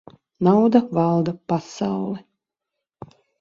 Nauda valda pasauli.